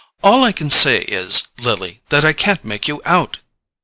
"All I can say is, Lily, that I can't make you out!"